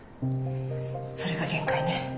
それが限界ね。